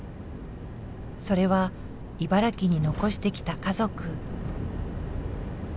それは茨城に残してきた家族。